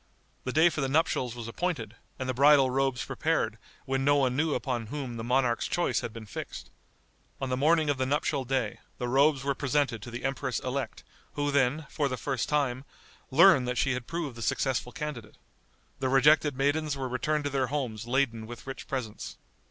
The day for the nuptials was appointed, and the bridal robes prepared when no one knew upon whom the monarch's choice had been fixed. On the morning of the nuptial day the robes were presented to the empress elect, who then, for the first time, learned that she had proved the successful candidate. The rejected maidens were returned to their homes laden with rich presents.